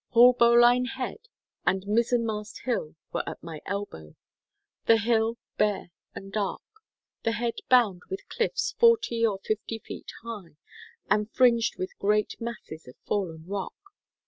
Haulbowline Head and Mizzenmast Hill were at my elbow; the hill bare and dark, the head bound with cliffs forty or fifty feet high, and fringed with great masses of fallen rock.